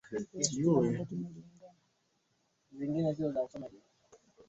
watu mpaka leo wanakwenda kutambika katika eneo alikozaliwaalisema Bibi Halima